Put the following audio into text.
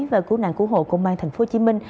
và cú nạn cú hộ công an tp hcm